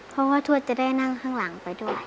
เพราะว่าทวดจะได้นั่งข้างหลังไปด้วย